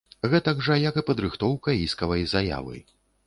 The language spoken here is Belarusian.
Гэтак жа, як і падрыхтоўка іскавай заявы.